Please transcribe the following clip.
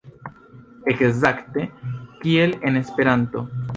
Ekzakte kiel en Esperanto.